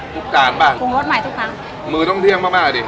ทุกจานบ้างปรุงรสใหม่ทุกครั้งมือต้องเที่ยงมากมากเลยดิค่ะ